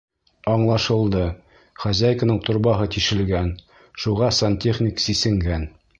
Аңлашылды: хозяйканың торбаһы тишелгән, шуға сантехник сисенгән.